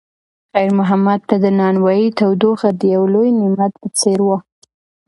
خیر محمد ته د نانوایۍ تودوخه د یو لوی نعمت په څېر وه.